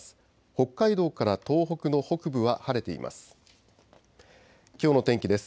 北海道から東北の北部は晴れています。